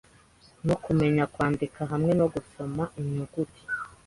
no kumenya kwandika hamwe no gusoma inyuguti;